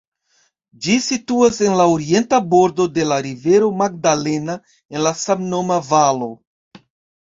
Ĝi situas en la orienta bordo de la rivero Magdalena, en la samnoma valo.